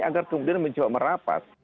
agar kemudian mencoba merapat